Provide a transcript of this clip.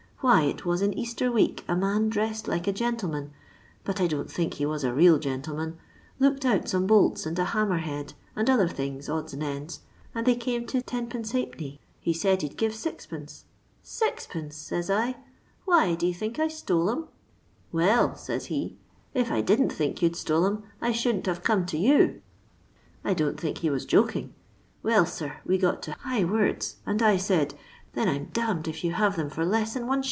Why, it was in Easter week a man dressed like a gentleman — but I don't think he was a real gentleman — looked out some bolts, and a hammer head, and other things, odds and ends, and they came to \0\d. He said he 'd give 6dL ' Sixpence !' says I ;' why d* you think I stole 'em 1 '' Well,' aaya he, * if I didn't think you 'd atole 'em, I shouldn't have come to ^tt.' I don't think he was joking. Well, sir, we got to high words, and I said, ' Then I 'm d— d if you have them for less than Is.'